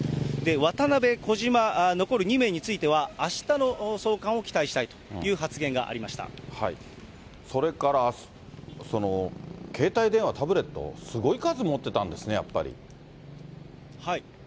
渡辺、小島、残る２名については、あしたの送還を期待したいというそれから携帯電話、タブレット、すごい数持ってたんですね、やっぱり。